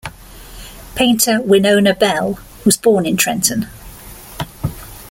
Painter Wenonah Bell was born in Trenton.